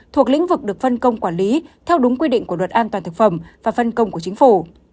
thuộc lĩnh vực được phân công quản lý theo đúng quy định của luật an toàn thực phẩm và phân công của chính phủ